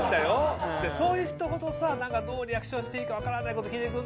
そういう人ほどさどうリアクションしていいか分からないこと聞いて来んのよ。